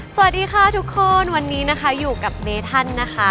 สวัสดีค่ะทุกคนวันนี้นะคะอยู่กับเมธันนะคะ